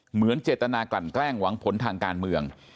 เหมือนเจตนากลั่นแกล้งหวังผลทางการเมือง